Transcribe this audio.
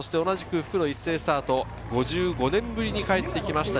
復路一斉スタート、５５年ぶりに帰ってきました